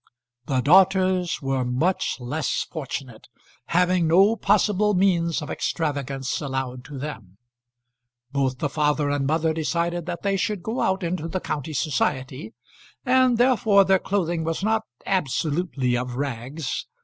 The daughters were much less fortunate, having no possible means of extravagance allowed to them. Both the father and mother decided that they should go out into the county society, and therefore their clothing was not absolutely of rags.